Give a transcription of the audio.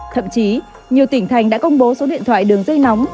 thậm chí nhiều tỉnh thành đã công bố số điện thoại đường dây nóng